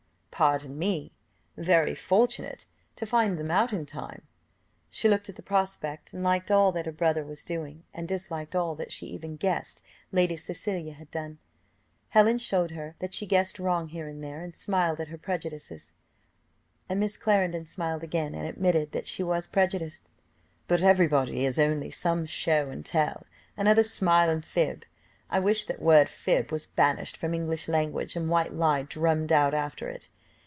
"Pardon me very fortunate to find them out in time." She looked at the prospect, and liked all that her brother was doing, and disliked all that she even guessed Lady Cecilia had done. Helen showed her that she guessed wrong here and there, and smiled at her prejudices; and Miss Clarendon smiled again, and admitted that she was prejudiced, "but every body is; only some show and tell, and others smile and fib. I wish that word fib was banished from English language, and white lie drummed out after it.